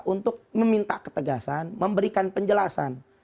untuk meminta ketegasan memberikan penjelasan